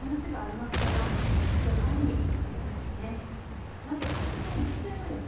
まず、あすの日中の予想